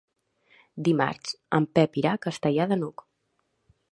Dimarts en Pep irà a Castellar de n'Hug.